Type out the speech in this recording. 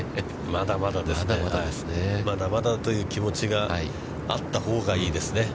まだまだという気持ちがあったほうがいいですね。